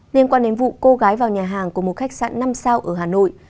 liên quan đến vụ cô gái vào nhà hàng của một khách sạn năm sao ở hà nội